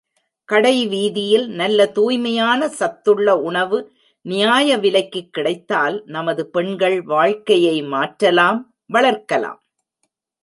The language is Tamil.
கடைவீதியில் நல்ல தூய்மையான சத்துள்ள உணவு நியாய விலைக்குக் கிடைத்தால் நமது பெண்கள் வாழ்க்கையை மாற்றலாம் வளர்க்கலாம்.